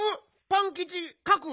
パンキチかく！